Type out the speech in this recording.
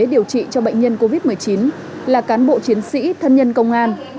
điều trị cho bệnh nhân covid một mươi chín là cán bộ chiến sĩ thân nhân công an